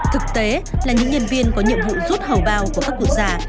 thực tế là những nhân viên có nhiệm vụ rút hầu bao của các cụ già